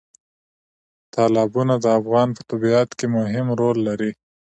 تالابونه د افغانستان په طبیعت کې مهم رول لري.